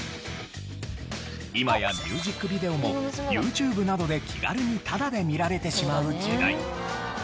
今やミュージックビデオもＹｏｕＴｕｂｅなどで気軽にタダで見られてしまう時代。